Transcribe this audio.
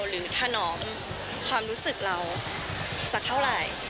หรือถนอมความรู้สึกเราสักเท่าไหร่